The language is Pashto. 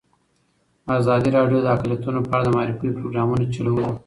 ازادي راډیو د اقلیتونه په اړه د معارفې پروګرامونه چلولي.